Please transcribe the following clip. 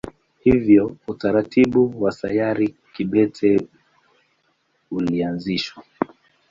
Hivyo utaratibu wa sayari kibete ulianzishwa.